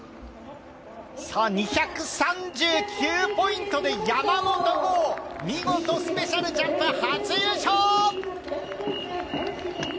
２３９ポイントで山元豪、見事、スペシャルジャンプ初優勝！